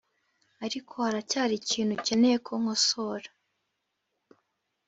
ariko haracyari ibintu ukeneye ko nkosora.